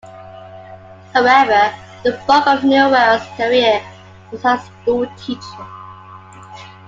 However, the bulk of Newell's career was as a school teacher.